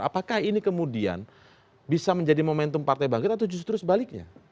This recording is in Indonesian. apakah ini kemudian bisa menjadi momentum partai bangkit atau justru sebaliknya